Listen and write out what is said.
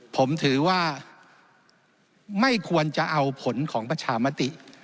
ผมถือว่าไม่ควรจะเอาผลของประชามติ